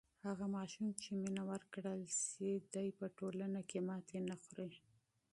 هغه ماشوم چې مینه ورکړل سوې ده په ټولنه کې ماتی نه خوری.